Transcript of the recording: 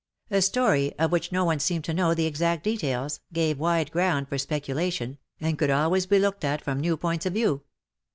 A story, of which no one seemed to know the exact details, gave wide ground for speculation, and could always be looked at from new points of view.